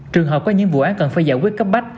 trường hợp có những vụ án cần phải giải quyết cấp bách